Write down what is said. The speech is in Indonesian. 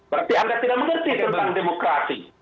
berarti anda tidak mengerti tentang demokrasi